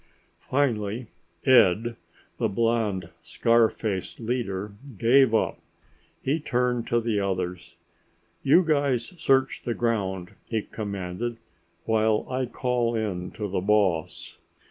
Finally Ed, the blond scar faced leader, gave up. He turned to the others. "You guys search the ground," he commanded, "while I call in to the boss."